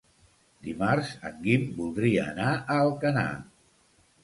Dimarts en Guim voldria anar a Alcanar.